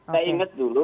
saya inget dulu